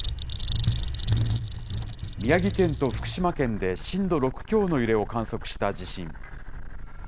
宮城県と福島県で震度６強の揺れを観測した地震。